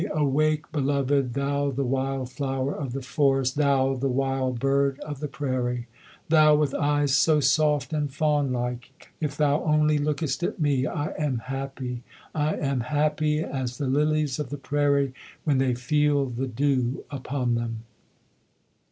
Awake, beloved! Thou the wild flower of the forest! Thou the wild bird of the prairie! Thou with eyes so soft and fawn like! If thou only lookest at me, I am happy, I am happy As the lilies of the prairie, When they feel the dew upon them!